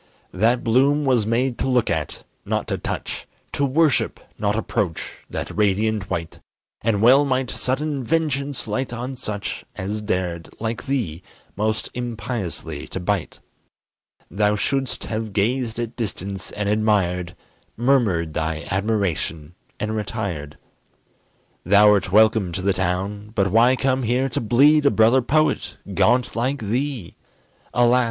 That bloom was made to look at, not to touch; To worship, not approach, that radiant white; And well might sudden vengeance light on such As dared, like thee, most impiously to bite. Thou shouldst have gazed at distance, and admired, Murmured thy admiration and retired. Thou'rt welcome to the town; but why come here To bleed a brother poet, gaunt like thee? Alas!